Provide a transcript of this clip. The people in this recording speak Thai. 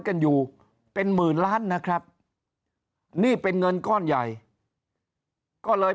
กันอยู่เป็นหมื่นล้านนะครับนี่เป็นเงินก้อนใหญ่ก็เลย